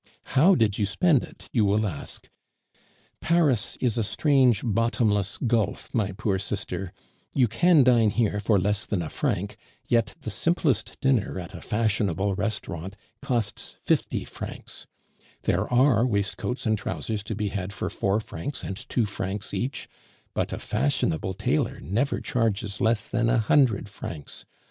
'How did you spend it?' you will ask. Paris is a strange bottomless gulf, my poor sister; you can dine here for less than a franc, yet the simplest dinner at a fashionable restaurant costs fifty francs; there are waistcoats and trousers to be had for four francs and two francs each; but a fashionable tailor never charges less than a hundred francs.